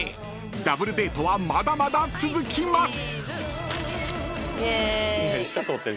［ダブルデートはまだまだ続きます！］